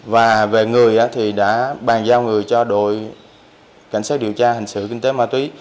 và về người thì đã bàn giao người cho đội cảnh sát điều tra hành sự kinh tế ma túy